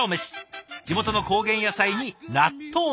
地元の高原野菜に納豆。